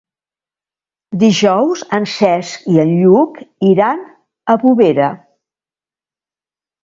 Dijous en Cesc i en Lluc iran a Bovera.